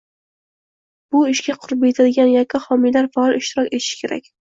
bu ishga qurbi yetadigan yakka homiylar faol ishtirok etishi kerak.